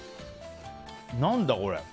何だ、これ。